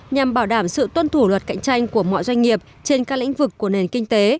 nhằm bảo đảm sự tuân thủ luật cạnh tranh của mọi doanh nghiệp trên các lĩnh vực của nền kinh tế